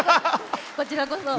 こちらこそ。